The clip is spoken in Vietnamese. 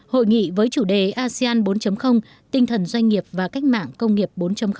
hội nghị với chủ đề asean bốn tinh thần doanh nghiệp và cách mạng công nghiệp bốn